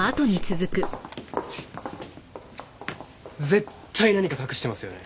絶対何か隠してますよね。